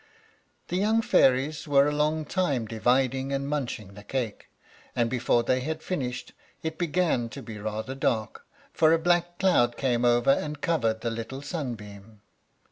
These young fairies were a long time dividing and munching the cake, and before they had finished, it began to be rather dark, for a black cloud came over and covered the little sunbeam.